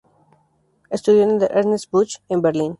Estudió en el "Ernst Busch" en Berlín.